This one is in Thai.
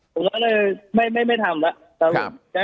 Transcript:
ผมก็เลยไม่ทำแล้วครับผม